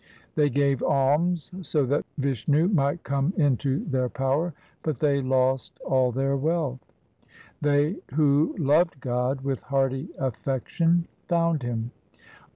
They gave alms so that Vishnu might come into their power, but they lost all their wealth. They who loved God with hearty affection found Him.